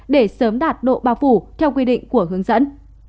để sớm đạt độ bao phủ theo quy định của hướng dẫn